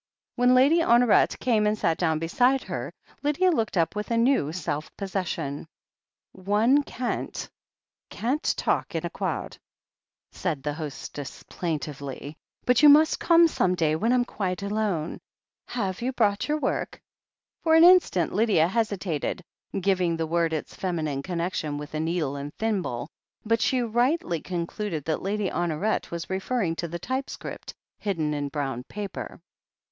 When Lady Honoret came and sat down beside her, Lydia looked up with a new self possession. "One can't, can't talk in a c'owd," said the hostess THE HEEL OF ACHILLES 231 plaintively, "but you must come some day when I'm quite alone. Have you brought your work ?" For an instant Lydia hesitated, giving the word its feminine connection with a needle and thimble, but she rightly concluded that Lady Honoret was referring to the typescript hidden in brown paper.